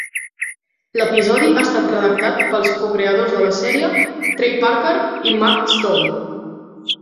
L"episodi ha estat redactat pels cocreadors de la sèrie Trey Parker i Matt Stone.